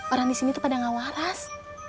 orang di sini tuh pada ngawaras